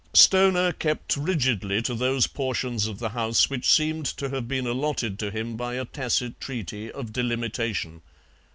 Stoner kept rigidly to those portions of the house which seemed to have been allotted to him by a tacit treaty of delimitation.